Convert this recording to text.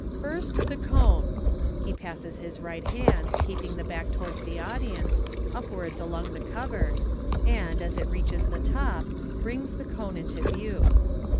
" First the cone " (he passes his right hand, keeping the back towards the audience, upwards along the cover, and, as it reaches the top, brings the cone into view).